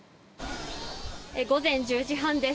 午前１０時半です。